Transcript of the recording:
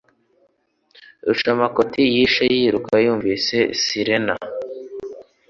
Rucamakoti yahise yiruka yumvise sirena